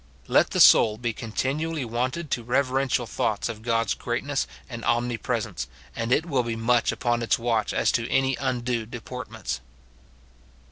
Let the soul be continually wonted to reverential thoughts of God's greatness and omnipresence, and it will be much upon its watch as to any undue deportments.